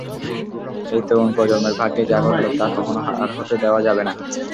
এই তরুণ প্রজন্মের ভাগ্যে যা ঘটল তা কখনও আর হতে দেওয়া যাবে না।